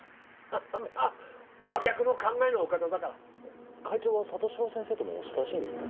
まあ真逆の考えのお方だから会長は里城先生ともお親しいんですか？